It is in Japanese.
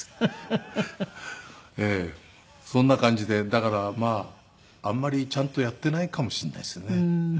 だからまああんまりちゃんとやっていないかもしれないですね。